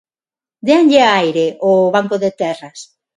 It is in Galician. Déanlle aire ao Banco de Terras.